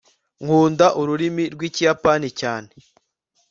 nkunda ururimi rwikiyapani cyane